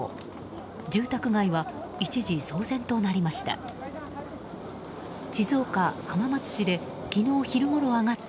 住宅街は一時騒然となりました。